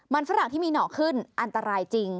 มันฝรั่งที่มีหน่อขึ้นอันตรายจริง